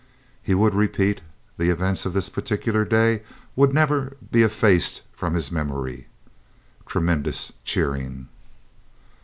He would repeat, the events of this particular day would never be effaced from his memory. (Tremendous cheering.)